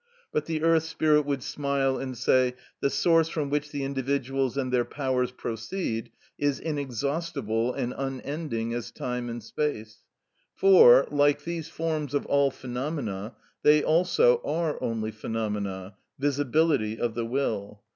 But the earth spirit would smile and say, "The source from which the individuals and their powers proceed is inexhaustible and unending as time and space; for, like these forms of all phenomena, they also are only phenomena, visibility of the will.